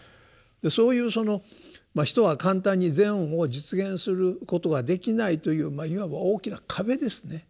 そういう人は簡単に善を実現することができないといういわば大きな壁ですね。